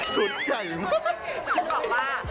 คือจะบอกว่า